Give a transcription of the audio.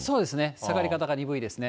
下がり方が鈍いですね。